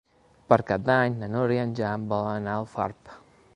Per Cap d'Any na Nora i en Jan volen anar a Alfarb.